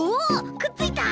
くっついた！